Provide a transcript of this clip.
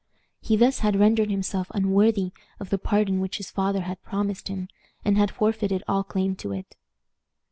He thus had rendered himself unworthy of the pardon which his father had promised him, and had forfeited all claim to it."